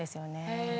へえ。